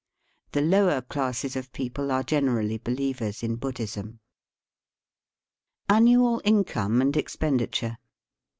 The lower classes of people are generally believers in Buddhism. Annual Income mid Expenditure.